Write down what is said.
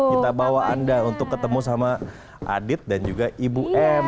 kita bawa anda untuk ketemu sama adit dan juga ibu m